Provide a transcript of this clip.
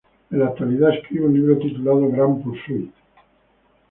En la actualidad escribe un libro titulado "Gran Pursuit".